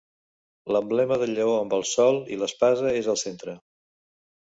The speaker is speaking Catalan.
L'emblema del lleó amb el sol i l'espasa és al centre.